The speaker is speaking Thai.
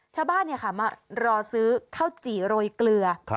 ชาวบ้านเนี่ยค่ะมารอซื้อข้าวจี่โรยเกลือ